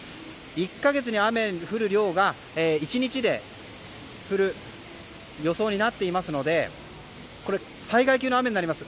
１か月に雨の降る量が１日で降る予想になっていますので災害級の雨になります。